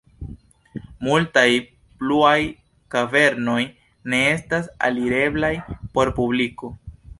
Multaj pluaj kavernoj ne estas alireblaj por publiko.